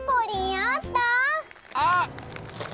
あっ！